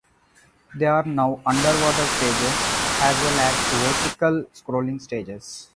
There are now underwater stages, as well as vertical-scrolling stages.